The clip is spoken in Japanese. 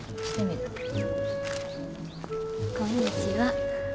こんにちは。